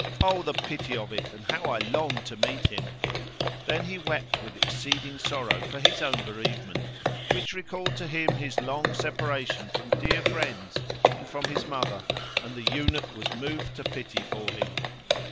Oh, the pity of it, and how I long to meet him!" Then he wept with exceeding weeping, and his father also wept seeing him weep and for his own bereavement, which recalled to him his long separation from dear friends and from his mother; and the Eunuch was moved to pity for him.